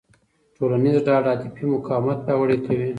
ټولنیزه ډاډ عاطفي مقاومت پیاوړی کوي.